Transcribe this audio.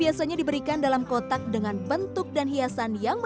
dan siap bertanggung jawab